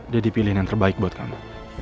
deddy pilih yang terbaik buat kamu